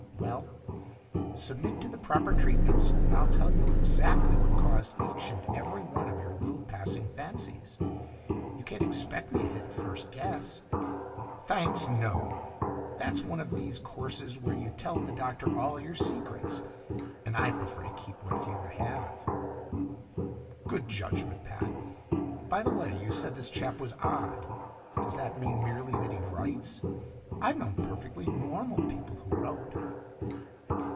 "Well, submit to the proper treatments, and I'll tell you exactly what caused each and every one of your little passing fancies. You can't expect me to hit it first guess." "Thanks, no! That's one of these courses where you tell the doctor all your secrets, and I prefer to keep what few I have." "Good judgment, Pat. By the way, you said this chap was odd. Does that mean merely that he writes? I've known perfectly normal people who wrote."